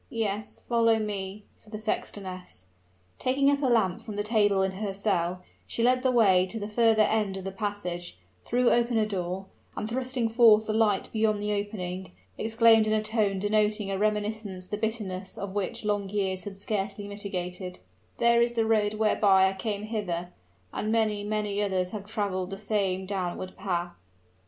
"Yes; follow me," said the sextoness. Taking up a lamp from the table in her cell, she led the way to the further end of the passage, threw open a door, and thrusting forth the light beyond the opening, exclaimed in a tone denoting a reminiscence the bitterness of which long years had scarcely mitigated "That is the road whereby I came hither; and many, many others have traveled the same downward path!"